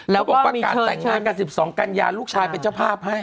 แล้วบอกว่าการแต่งงานกัน๑๒กันยาลูกชายเป็นเจ้าภาพให้